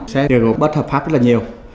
xe gỗ bất hợp pháp rất là nhiều